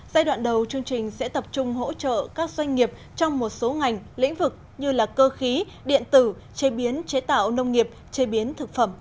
giai đoạn đầu chương trình sẽ tập trung hỗ trợ các doanh nghiệp trong một số ngành lĩnh vực như cơ khí điện tử chế biến chế tạo nông nghiệp chế biến thực phẩm